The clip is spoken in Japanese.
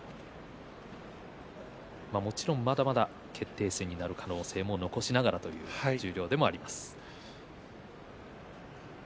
もちろん、まだまだ決定戦になる可能性も残しながらということになります。